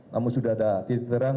namun sudah ada titik terang